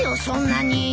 そんなに。